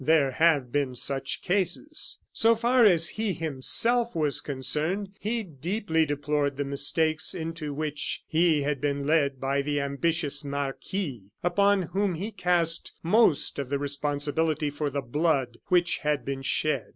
There have been such cases. So far as he himself was concerned, he deeply deplored the mistakes into which he had been led by the ambitious marquis, upon whom he cast most of the responsibility for the blood which had been shed.